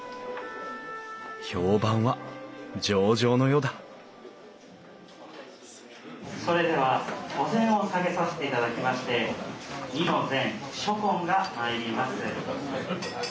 評判は上々のようだそれではお膳を下げさせていただきまして弐の膳初献が参ります。